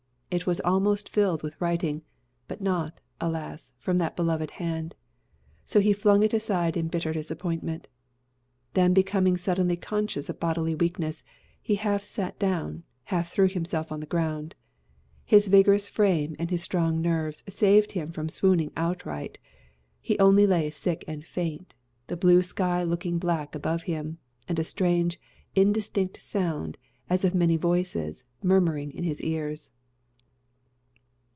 It was almost filled with writing; but not, alas! from that beloved hand. So he flung it aside in bitter disappointment. Then becoming suddenly conscious of bodily weakness, he half sat down, half threw himself on the ground. His vigorous frame and his strong nerves saved him from swooning outright: he only lay sick and faint, the blue sky looking black above him, and a strange, indistinct sound, as of many voices, murmuring in his ears.